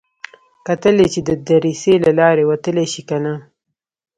کتل يې چې د دريڅې له لارې وتلی شي که نه.